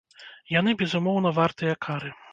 Яны безумоўна вартыя кары.